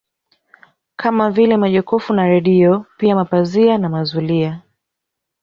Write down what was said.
Kama vile majokofu na redio pia mapazia na mazulia